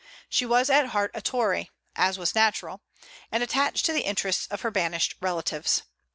She was at heart a Tory, as was natural, and attached to the interests of her banished relatives.